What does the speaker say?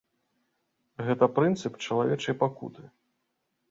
Гэта прынцып чалавечай пакуты.